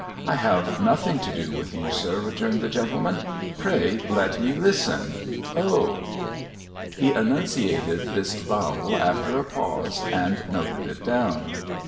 ' I have nothing to do w^ith you, sir,' returned the gentleman ;' pray let me listen — O.' He enunciated this vowel after a pause, and noted it down.